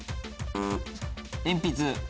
鉛筆。